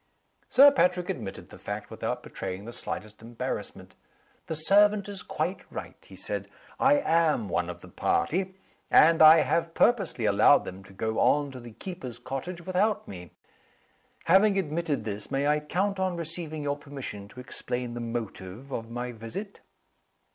Sir Patrick admitted the fact, without betraying the slightest embarrassment. "The servant is quite right," he said. "I am one of the party. And I have purposely allowed them to go on to the keeper's cottage without me. Having admitted this, may I count on receiving your permission to explain the motive of my visit?"